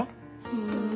ふん。